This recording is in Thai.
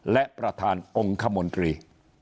และประธานองค์คมนตรี